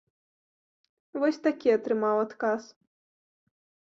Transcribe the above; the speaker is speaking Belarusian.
Вось такі атрымаў адказ.